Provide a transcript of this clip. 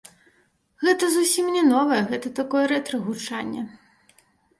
Гэта зусім не новае, гэта такое рэтра-гучанне.